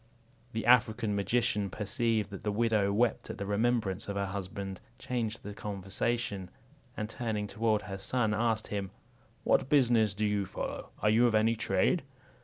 The African magician perceiving that the widow wept at the remembrance of her husband, changed the conversation, and turning toward her son, asked him, "What business do you follow? Are you of any trade?"